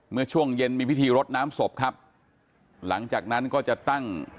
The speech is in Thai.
เมื่อช่วงเย็นมีพิธีรดน้ำศพครับหลังจากนั้นก็จะตั้ง